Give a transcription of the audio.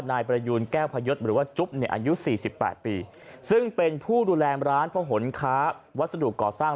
นายประยุณเป็นคนหวยแถวร้านวัสดุก่อสร้าง